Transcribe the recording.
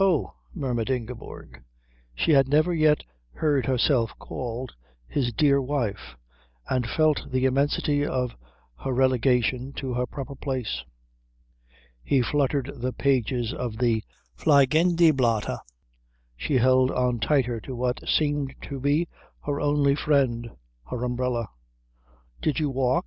"Oh," murmured Ingeborg. She had never yet heard herself called his dear wife, and felt the immensity of her relegation to her proper place. He fluttered the pages of the Fliegende Blätter; she held on tighter to what seemed to be her only friend, her umbrella. "Did you walk?"